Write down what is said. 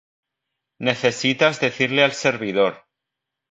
necesitas decirle al servidor